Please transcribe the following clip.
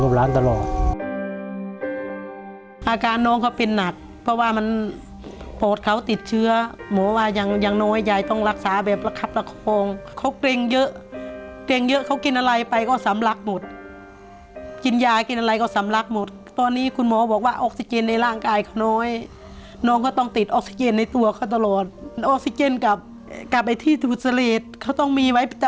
อาการน้องเขาเป็นหนักเพราะว่ามันปอดเขาติดเชื้อหมอว่าอย่างอย่างน้อยยายต้องรักษาแบบระคับประคองเขาเกรงเยอะเกรงเยอะเขากินอะไรไปก็สำลักหมดกินยากินอะไรก็สำลักหมดตอนนี้คุณหมอบอกว่าออกซิเจนในร่างกายเขาน้อยน้องก็ต้องติดออกซิเจนในตัวเขาตลอดมันออกซิเจนกลับไปที่สมุทรเขาต้องมีไว้ต